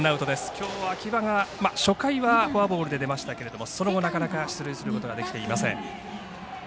きょうは秋葉が初回はフォアボールで出ましたけどもその後、なかなか出塁することができていません。